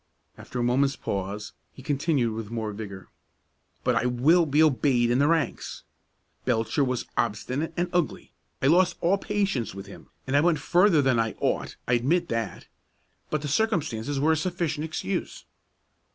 After a moment's pause, he continued with more vigor: "But I will be obeyed in the ranks. Belcher was obstinate and ugly. I lost all patience with him, and I went further than I ought; I admit that, but the circumstances were a sufficient excuse."